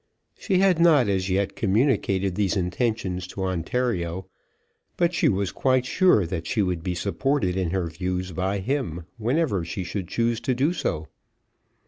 She had not as yet communicated these intentions to Ontario, but she was quite sure that she would be supported in her views by him whenever she should choose to do so.